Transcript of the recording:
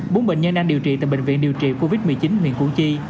bốn bệnh nhân đang điều trị tại bệnh viện điều trị covid một mươi chín huyện củ chi